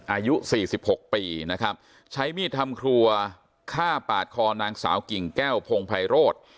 อายุสี่สิบหกปีนะครับใช้มีดทำครัวฆ่าปาดคอนางสาวกิ่งแก้วพงภัยโรธ